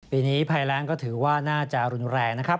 ปีนี้ภัยแรงก็ถือว่าน่าจะรุนแรงนะครับ